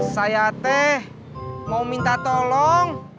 saya teh mau minta tolong